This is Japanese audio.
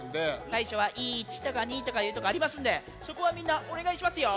「さいしょはいち」とか「に」とかいうとこありますんでそこはみんなおねがいしますよ。